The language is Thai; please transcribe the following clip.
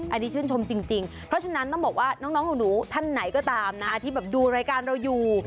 อันนี้ชื่นชมจริงเพราะฉะนั้นต้องบอกว่าน้องหนูท่านไหนก็ตามนะที่แบบดูรายการเราอยู่